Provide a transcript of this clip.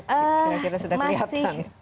kira kira sudah kelihatan